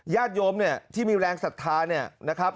ญาติโยมเนี่ยที่มีแรงศรัทธาเนี่ยนะครับ